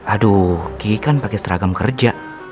aduh ki kan pakai seragam kerja